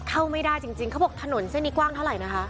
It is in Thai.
เข้าไม่ได้จริงเขาบอกถนนเส้นนี้กว้างเท่าไหร่นะคะ